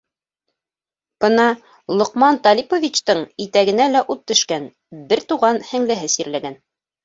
Бына: Лоҡман Талиповичтың итәгенә лә ут төшкән - бер туған һеңлеһе сирләгән.